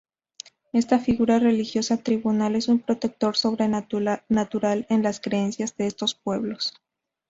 Esta figura religiosa tribal es un protector sobrenatural en las creencias de estos pueblos.